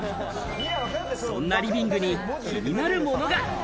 そんなリビングに気になるものが。